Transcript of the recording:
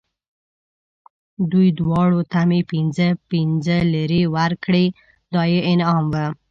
دوی دواړو ته مې پنځه پنځه لېرې ورکړې، دا یې انعام و.